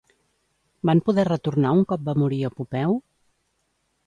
Van poder retornar un cop va morir Epopeu?